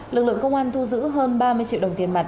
lực lượng công an thu giữ hơn ba mươi triệu đồng tiền mặt